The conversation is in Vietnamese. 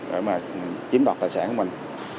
để mà chiếm đọt tài sản của mình